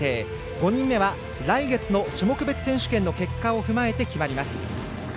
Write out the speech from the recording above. ５人目は来月の種目別選手権の結果を踏まえて決まります。